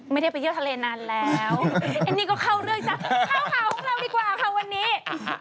ไม่ได้ไปเที่ยวทะเลนานแล้วอันนี้ก็เข้าเรื่องจ้ะเข้าข่าวของเราดีกว่าค่ะวันนี้